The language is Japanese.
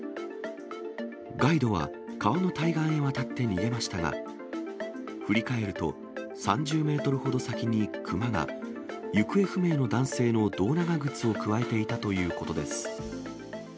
ガイドは川の対岸へ渡って逃げましたが、振り返ると、３０メートルほど先にクマが、行方不明の男性の胴長靴をくわえていたということです。